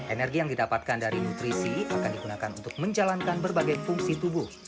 energi yang didapatkan dari nutrisi akan digunakan untuk menjalankan berbagai fungsi tubuh